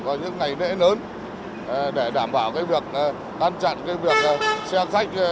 và những ngày lễ lớn để đảm bảo việc an toàn việc xe khách